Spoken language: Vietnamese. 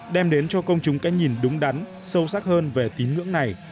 đem đến cho công chúng cái nhìn đúng đắn sâu sắc hơn về tín ngưỡng này